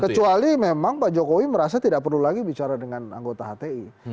kecuali memang pak jokowi merasa tidak perlu lagi bicara dengan anggota hti